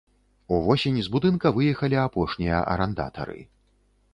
Увосень з будынка выехалі апошнія арандатары.